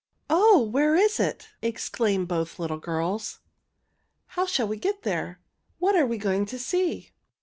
"Oh, where is it?" exclaimed both little girls. "How shall we get there? What are we going to see?"